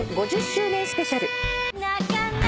５０周年スペシャル。